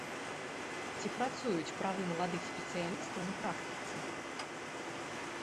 Ці працуюць правы маладых спецыялістаў на практыцы?